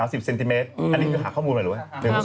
อันนี้คือหาข้อมูลมาหรือไง